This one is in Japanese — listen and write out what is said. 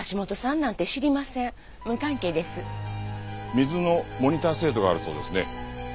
水のモニター制度があるそうですね。